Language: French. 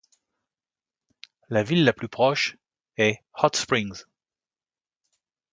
La ville la plus proche est Hot Springs.